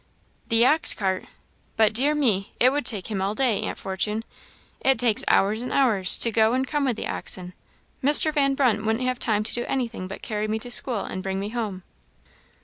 "The ox cart! But, dear me! it would take him all day, Aunt Fortune. It takes hours and hours to go and come with the oxen Mr. Van Brunt wouldn't have time to do anything but carry me to school, and bring me home."